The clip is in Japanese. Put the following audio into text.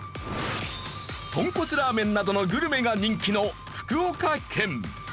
豚骨ラーメンなどのグルメが人気の福岡県。